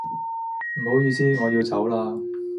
唔好意思，我要走啦